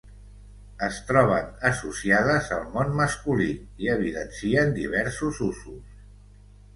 Es troben associades al món masculí i evidencien diversos usos.